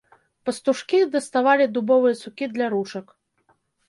Пастушкі даставалі дубовыя сукі для ручак.